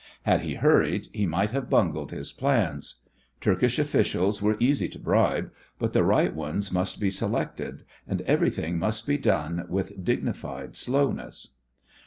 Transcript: Had he hurried he might have bungled his plans. Turkish officials are easy to bribe, but the right ones must be selected, and everything must be done with dignified slowness.